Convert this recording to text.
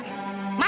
makanya jangan mulai